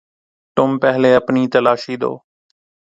تم پہلے اپنی تلاشی دو